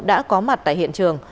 đã có mặt tại hiện trường